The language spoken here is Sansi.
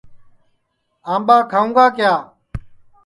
آمٻا کھاؤں گا کِیا